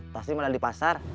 taslim ada di pasar